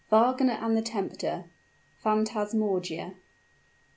WAGNER AND THE TEMPTER PHANTASMAGORIA.